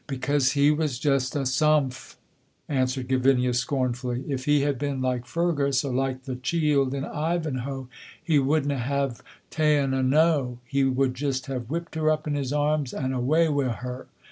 "Because he was just a sumph," answered Gavinia, scornfully. "If he had been like Fergus, or like the chield in 'Ivanhoe,' he wouldna have ta'en a 'no.' He would just have whipped her up in his arms and away wi' her.